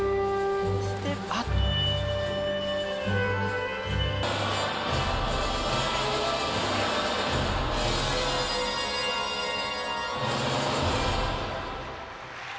あっ！